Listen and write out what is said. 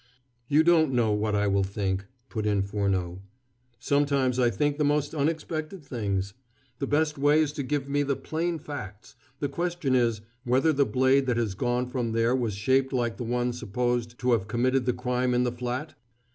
"You don't know what I will think," put in Furneaux. "Sometimes I think the most unexpected things. The best way is to give me the plain facts. The question is, whether the blade that has gone from there was shaped like the one supposed to have committed the crime in the flat?"